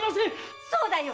そうだよ！